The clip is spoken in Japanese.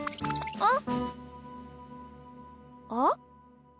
あっ？